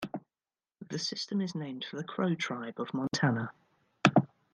The system is named for the Crow Tribe of Montana.